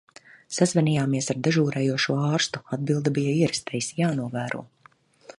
Sazvanījāmies ar dežūrējošo ārstu, atbilde bija ierastais "jānovēro".